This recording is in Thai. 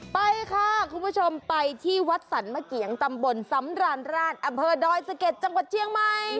ไปค่ะคุณผู้ชมไปที่วัดสรรมะเกียงตำบลสำราญราชอำเภอดอยสะเก็ดจังหวัดเชียงใหม่